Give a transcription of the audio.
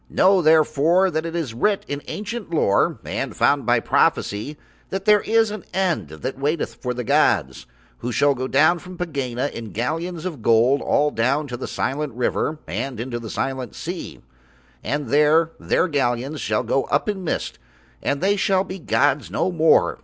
Know therefore that it is writ in ancient lore and found by prophecy that there is an End that waiteth for the gods, who shall go down from Pegāna in galleons of gold all down the Silent River and into the Silent Sea, and there Their galleons shall go up in mist and They shall be gods no more.